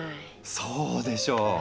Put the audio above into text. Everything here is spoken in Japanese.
そうでしょう！